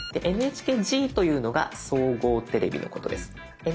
でＮＨＫＧというのが総合テレビのことです。